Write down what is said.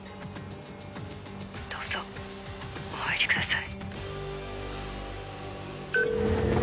どうぞお入りください。